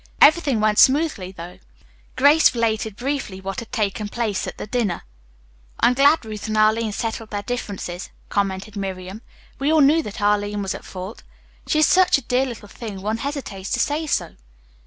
Everything went smoothly, though." Grace related briefly what had taken place at the dinner. "I am glad Ruth and Arline settled their differences," commented Miriam. "We all knew that Arline was at fault. She is such a dear little thing, one hesitates to say so."